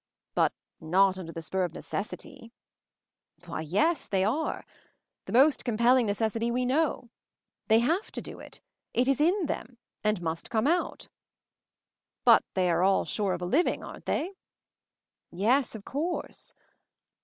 "But not under the spur of necessity." "Why, yes they are. The most com ] pelling necessity we know. They have to do it; it is in them and must cornel out." "But they are all sure of a living, aren't they?" » 234 MOVING THE MOUNTAIN "Yes, of course.